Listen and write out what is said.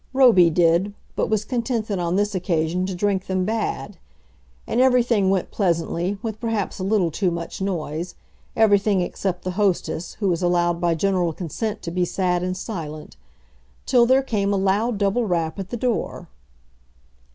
Roby did, but was contented on this occasion to drink them bad. And everything went pleasantly, with perhaps a little too much noise; everything except the hostess, who was allowed by general consent to be sad and silent; till there came a loud double rap at the door.